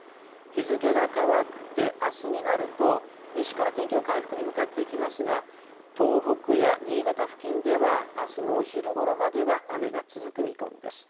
日付が変わってあすになると、西から天気は回復に向かっていきますが、東北や新潟付近では、あすのお昼ごろまでは雨が続く見込みです。